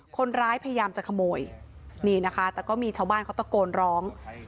พยายามจะขโมยนี่นะคะแต่ก็มีชาวบ้านเขาตะโกนร้อง